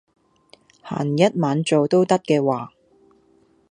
閒日晚做都得嘅話